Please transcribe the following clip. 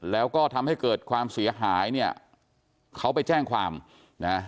แล้วก็ทำให้เกิดความเสียหายเนี่ยเขาไปแจ้งความนะ